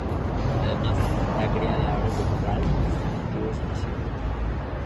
Además, la cría de aves de corral están activos en la ciudad.